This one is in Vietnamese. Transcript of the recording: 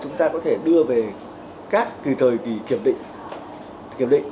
chúng ta có thể đưa về các thời kỳ kiểm định